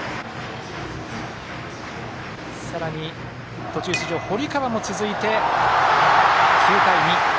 さらに途中出場、堀川も続いて９対２。